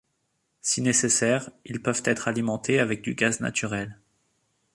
Si nécessaire, ils peuvent être alimentés avec du gaz naturel.